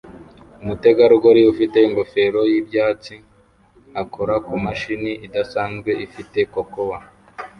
umutegarugori ufite ingofero y'ibyatsi akora kumashini idasanzwe ifite cocout